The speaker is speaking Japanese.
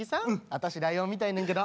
私ライオン見たいねんけど。